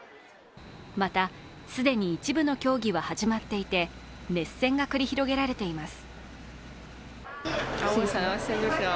また既に一部の競技は始まっていて、熱戦が繰り広げられています。